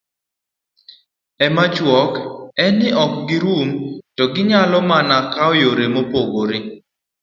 e machuok en ni ok girum to ginyalo mana kawo yore mopogore